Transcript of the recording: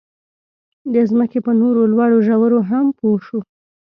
د ځمکې په نورو لوړو ژورو هم پوه شو.